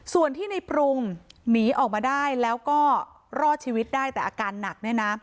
ส่วนที่ในปรุงหนีออกมาได้แล้วก็รอดชีวิตได้แต่อาการหนักเนี่ยนะ